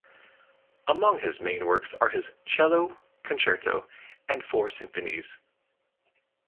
Among his main works are his "Cello" "Concerto" and four symphonies.